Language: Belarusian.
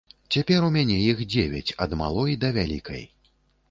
Цяпер іх у мяне дзевяць, ад малой да вялікай.